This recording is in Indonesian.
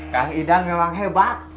kang idan memang hebat